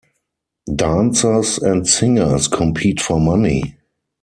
Dancers and singers compete for money.